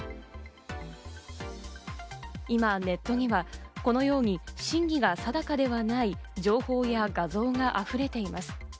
今ネットにはこのように真偽が定かではない情報や画像が溢れています。